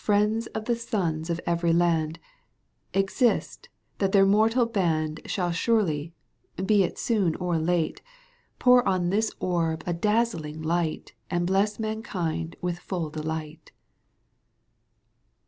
Friends of the sons of every land', Exist — that their immortal band Shall surely, be it soon or late, Pour on this orb a dazzling light • And bless mankind with full delight.